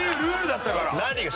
何が？